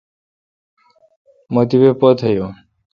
مہ تیپہ پتھ یون۔